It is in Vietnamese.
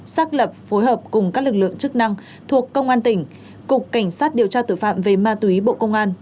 xác lập phối hợp cùng các lực lượng chức năng thuộc công an tỉnh cục cảnh sát điều tra tội phạm về ma túy bộ công an